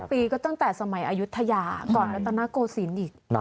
๔๐๐ปีก็ตั้งแต่สมัยอายุทยาก่อนแล้วตอนนาโกสินอีก